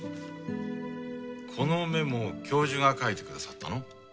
このメモ教授が書いてくださったの？